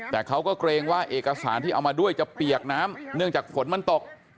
แต่เขาก็เกรงว่าเอกสารที่เอามาด้วยจะเปียกน้ำเนื่องจากฝนมันตก